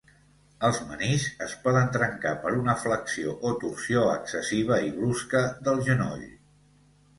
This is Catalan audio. Els meniscs es poden trencar per una flexió o torsió excessiva i brusca del genoll.